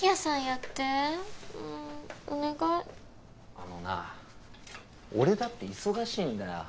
あのな俺だって忙しいんだよ。